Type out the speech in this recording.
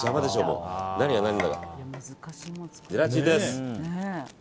ゼラチンです。